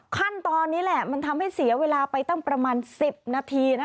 ขั้นตอนนี้แหละมันทำให้เสียเวลาไปตั้งประมาณ๑๐นาที